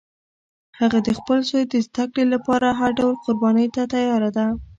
هغه د خپل زوی د زده کړې لپاره هر ډول قربانی ته تیار ده